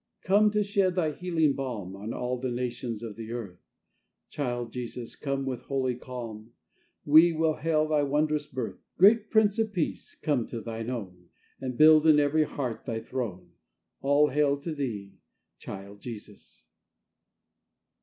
Come to shed Thy healing balmOn all nations of the earth, Child Jesus, come with holy calm, How we hail thy wondrous birth. Great Prince of Peace, come to Thine own, And build in every heart Thy throne. All hail to Thee, Child Jesus!